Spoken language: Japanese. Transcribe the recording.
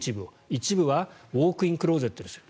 一部はウォークインクローゼットにする。